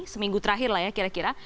seminggu terakhir lah ya kira kira